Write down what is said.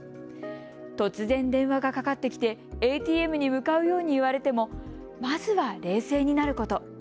突然、電話がかかってきてＡＴＭに向かうように言われてもまずは冷静になること。